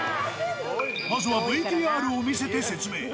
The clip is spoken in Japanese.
まずはＶＴＲを見せて説明。